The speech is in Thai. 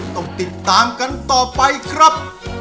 ต้องติดตามกันต่อไปครับ